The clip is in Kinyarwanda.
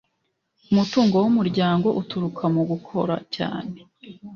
umutungo w’ umuryango uturuka mugukoracyane.